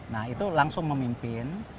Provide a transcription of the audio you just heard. nah itu langsung memimpin